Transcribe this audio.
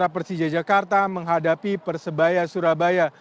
persija jakarta menghadapi persebaya surabaya